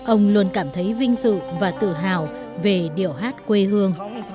ông luôn cảm thấy vinh dự và tự hào về điệu hát quê hương